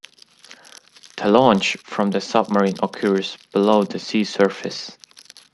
The launch from the submarine occurs below the sea surface.